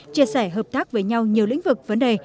chia sẻ hợp tác với nhau nhiều lĩnh vực vấn đề